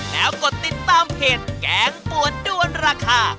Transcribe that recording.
แล้วกดติดตามเพจแกงปวดด้วนราคา